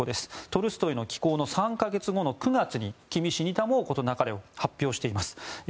トルストイの寄稿の３か月後の９月に「君死にたまふことなかれ」を発表しています。